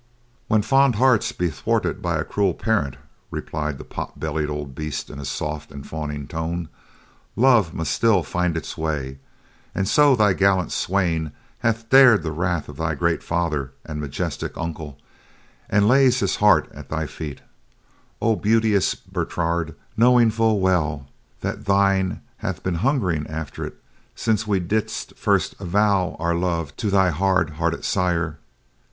"When fond hearts be thwarted by a cruel parent," replied the pot bellied old beast in a soft and fawning tone, "love must still find its way; and so thy gallant swain hath dared the wrath of thy great father and majestic uncle, and lays his heart at thy feet, O beauteous Bertrade, knowing full well that thine hath been hungering after it since we did first avow our love to thy hard hearted sire.